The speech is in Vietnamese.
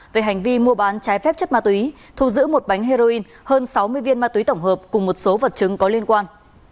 về hành vi mua bán trái phép chất ma túy thu giữ một bánh heroin hơn sáu mươi viên ma túy tổng hợp cùng một số vật chứng có liên quan